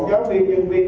bảo vệ công an